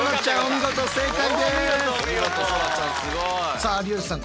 さあ有吉さん